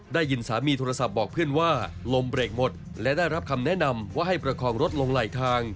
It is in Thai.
ได้ยินสามีโทรศัพท์บอกเพื่อนว่าลมเบรกหมดและได้รับคำแนะนำว่าให้ประคองรถลงไหลทาง